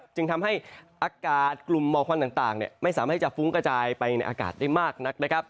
จึงทำให้อากาศกลุ่มหมอควันต่างไม่สามารถให้จะฟุ้งกระจายไปในอากาศได้มากนักนะครับ